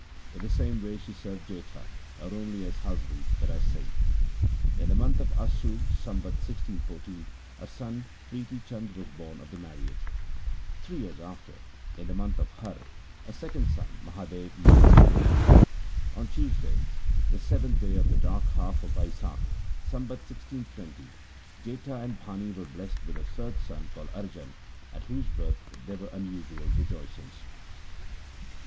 In the same way she served Jetha not only as husband but as saint. In the month of Assu, Sambat 1614, a son, Prithi Chand, was born of the marriage. Three years after, in the month of Har, LIFE OF GURU AMAR DAS 93 a second son, Mahadev, made his appearance. On Tuesday, the seventh day of the dark half of Bai sakh, Sambat 1620, Jetha and Bhani were blessed with a third son called Arjan, at whose birth there were unusual rejoicings.